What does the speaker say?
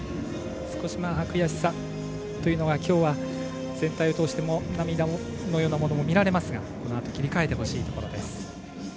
少し、悔しさというのはきょうは、全体を通しても涙のようなものも見られますがこのあと切り替えてほしいところです。